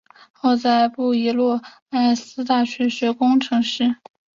后在布宜诺斯艾利斯大学学工程师。